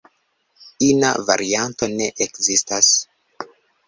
Ina varianto ne ekzistas.